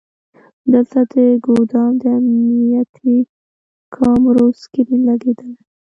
دلته د ګودام د امنیتي کامرو سکرین لګیدلی.